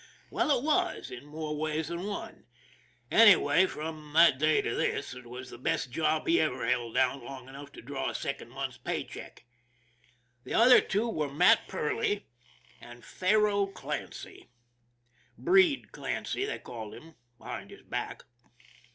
Well, it was, in more ways than one! Anyway, from that day to this it was the best job he ever held down long enough to draw a second month's pay check. The other two were Matt Perley and Faro Clancy " Breed " Clancy, they called him behind his back.